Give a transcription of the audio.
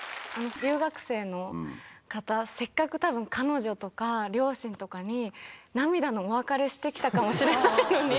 留学生の方、せっかくたぶん、彼女とか、両親とかに、涙のお別れしてきたかもしれないのに。